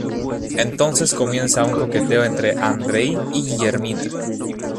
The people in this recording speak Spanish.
Entonces comienza un coqueteo entre Andrei y Guillermina.